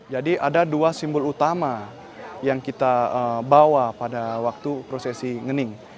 jadi ada dua simbol utama yang kita bawa pada waktu prosesi ngening